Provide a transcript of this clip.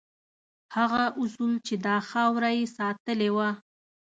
هغه اصول چې دا خاوره یې ساتلې وه.